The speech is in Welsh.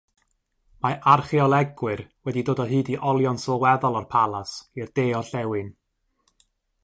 Mae archeolegwyr wedi dod o hyd i olion sylweddol o'r palas i'r de-orllewin.